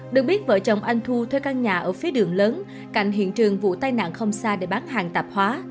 được biết vợ chồng anh thu thuê căn nhà ở phía đường lớn cạnh hiện trường vụ tai nạn không xa để bán hàng tạp hóa